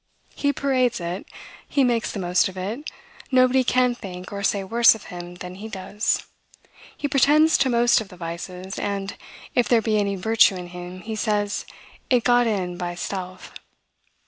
He parades it: he makes the most of it; nobody can think or say worse of him than he does. He pretends to most of the vices; and, if there be any virtue in him, he says, it got in by stealth.